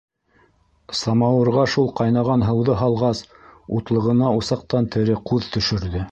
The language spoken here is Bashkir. Самауырға шул ҡайнаған һыуҙы һалғас, утлығына усаҡтан тере ҡуҙ төшөрҙө.